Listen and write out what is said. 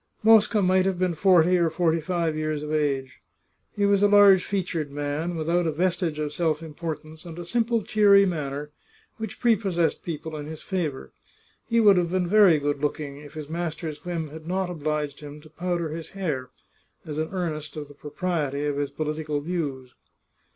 Mosca might have been forty or forty five years of age. He was a large featured man, without a vestige of self impor tance and a simple cheery manner, which prepossessed peo ple in his favour. He would have been very good looking, if his master's whim had not obliged him to powder his hair, as an earnest of the propriety of his political views.